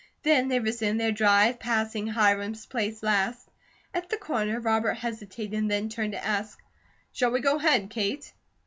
Then they resumed their drive, passing Hiram's place last. At the corner Robert hesitated and turned to ask: "Shall we go ahead, Kate?"